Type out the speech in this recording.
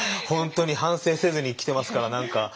本当に反省せずに来てますから何か。